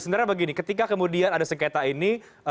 sebenarnya begini ketika kemudian ada sengketa ini